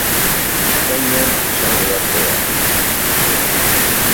Ekainean izango da froga.